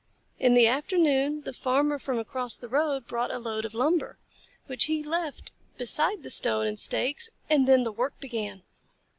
In the afternoon the Farmer from across the road brought a load of lumber, which he left beside the stone and stakes, and then the work began.